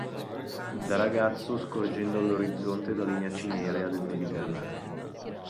Da ragazzo scorgendo all'orizzonte la linea cinerea del Mediterraneo.